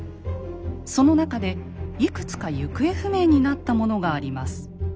その中でいくつか行方不明になったものがあります。